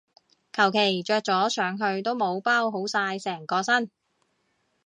求其着咗上去都冇包好晒成個身